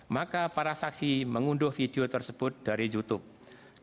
maka para saksi mengunduh video tersebut dari youtube